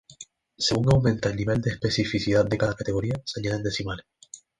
Según aumenta el nivel de especificidad de cada categoría se añaden decimales.